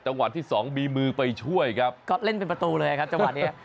วันที่สองมีมือไปช่วยครับก็เล่นเป็นประตูเลยครับจังหวะเนี้ย